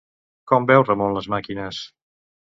Com veu Ramon les màquines?